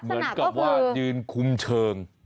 เหมือนกับว่ายืนคุมเชิง